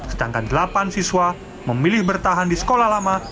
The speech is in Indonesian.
sedangkan delapan siswa memilih bertahan di sekolah lama